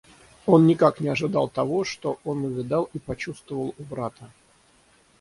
Он никак не ожидал того, что он увидал и почувствовал у брата.